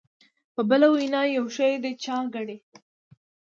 په بله وینا یو شی د چا ګڼي.